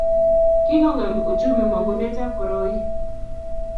Kikongem uchumi mongunetab koroi